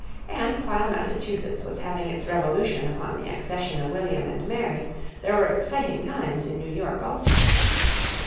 And while Massachusetts was having its revolution upon the accession of William and Mary there were exciting times in New York also.